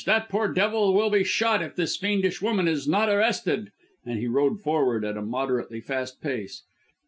That poor devil will be shot if this fiendish woman is not arrested." And he rode forward at a moderately fast pace.